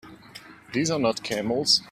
These are not camels!